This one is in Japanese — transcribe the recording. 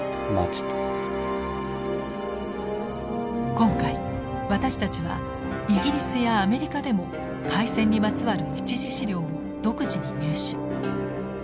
今回私たちはイギリスやアメリカでも開戦にまつわる一次資料を独自に入手。